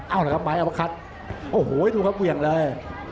เอาละครับไม้เอามาคัดโอ้โหดูครับเหวี่ยงเลย